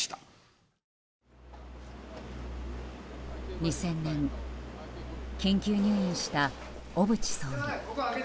２０００年緊急入院した小渕総理。